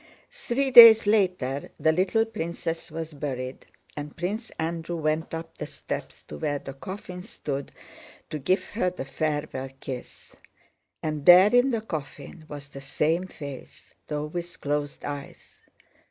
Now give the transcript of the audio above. Three days later the little princess was buried, and Prince Andrew went up the steps to where the coffin stood, to give her the farewell kiss. And there in the coffin was the same face, though with closed eyes.